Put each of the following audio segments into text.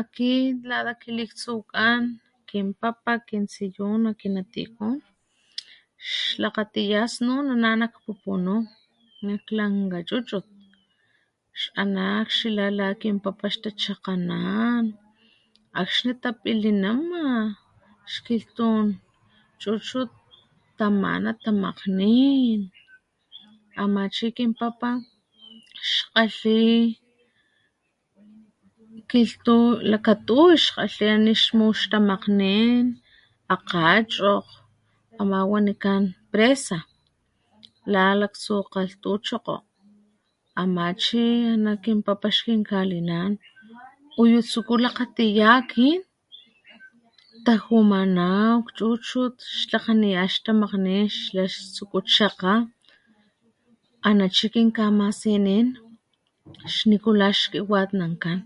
Akit lata kilitsukan kin pa´pa kin tsiyuna chu kin natikun xlakgatiya snun ana nak puxkga chu nak pupunu ix ana´ akxila la kin pa´pa xchakanan akxni tapilinima xkilhtun chuchut tamana tamakgnin ama chi kin pa´pa ix kgatli kilhtu lakatuy ana ni´ixmu ix tamakgnin, akgachokg ama wanikan presa la laktsu kalhtuchokgo ama chi ana kin pa´pa xkinkalinan uyu tsuku kalakgalhakgaya akin tajumanaw chuchut xlhakganeya ix tamakgnin xla ix tsuku chakga ana chi kinkamasinin xnikula ix xkiwatnankan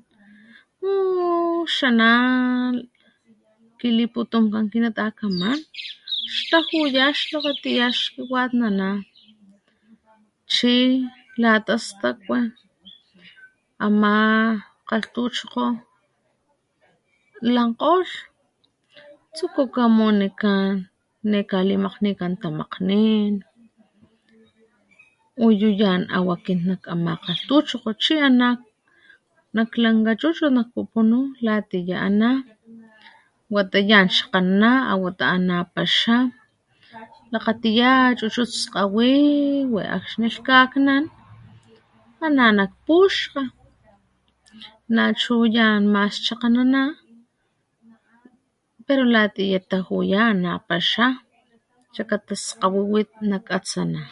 uuuu ix ana´ kiliputunkan kin natakaman xtajuya xlakgatiya xkiwatnana chi lata skatwi ama kalhtuchokgo lakgolh tsukuka munikan nema kalimakgnikan tamkagnin uyu yan aw nak ama kalhtuchokgo lchi ana´ nak lankga chuchut nak pupunu latiya ana´ wata yan chakanana watiya ana´chi ana watiya paxa lakgatiya chuchut skgawiwit akxi lhkaknan ana´ nak puxkga nachu yan mas chakganana pero latiya tajuya ana paxa xakata skgawiwi nakatsana